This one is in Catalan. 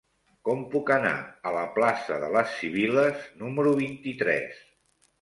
Com puc anar a la plaça de les Sibil·les número vint-i-tres?